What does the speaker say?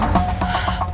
aku mau ke rumah